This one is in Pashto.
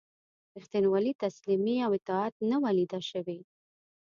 ریښتینولي، تسلیمي او اطاعت نه وه لیده شوي.